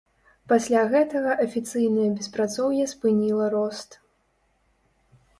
Пасля гэтага афіцыйнае беспрацоўе спыніла рост.